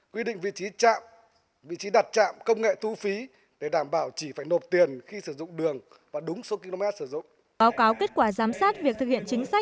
quy định vị trí đặt trạm công nghệ thu phí để đảm bảo chỉ phải nộp tiền khi sử dụng đường và đúng số km sử dụng